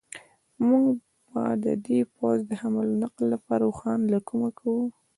موږ به د دې پوځ د حمل و نقل لپاره اوښان له کومه کوو.